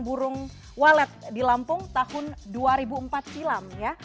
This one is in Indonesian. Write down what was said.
burung walet di lampung tahun dua ribu empat silam ya